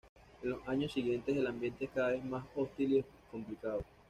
En los años siguientes el ambiente es cada vez más hostil y complicado.